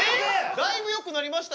だいぶよくなりましたよ？